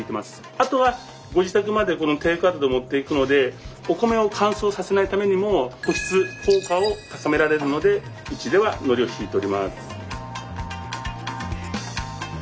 あとはご自宅までテイクアウトで持っていくのでお米を乾燥させないためにも保湿効果を高められるのでうちではのりをひいております。